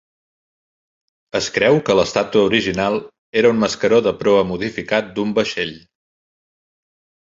Es creu que l'estàtua original era un mascaró de proa modificat d'un vaixell.